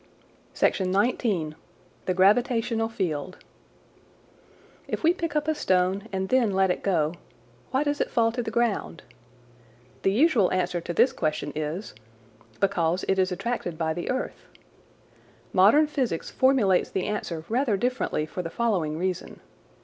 THE GRAVITATIONAL FIELD "If we pick up a stone and then let it go, why does it fall to the ground ?" The usual answer to this question is: "Because it is attracted by the earth." Modern physics formulates the answer rather differently for the following reason.